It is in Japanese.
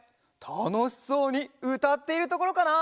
たのしそうにうたっているところかな！